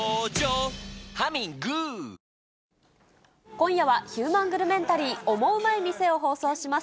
今夜は、ヒューマングルメンタリーオモウマい店を放送します。